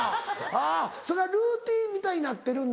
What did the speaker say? それはルーティンみたいになってるんだ。